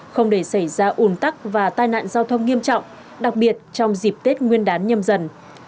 không để xảy ra ủn tắc và tai nạn giao thông nghiêm trọng đặc biệt trong dịp tết nguyên đán nhâm dần